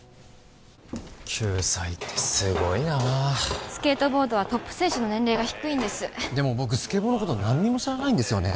９歳ってすごいなスケートボードはトップ選手の年齢が低いんですでも僕スケボーのこと何にも知らないんですよね